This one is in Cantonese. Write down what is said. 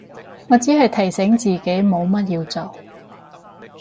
我只係提醒自己有乜要做